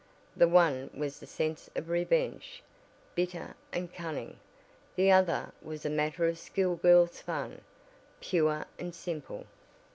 The one was the sense of revenge, bitter and cunning; the other was a matter of school girl's fun, pure and simple.